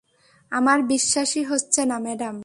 আমার বিশ্বাসই হচ্ছে না ম্যাডাম।